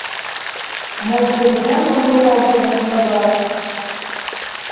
Мо ў шынку загуляўся гаспадар?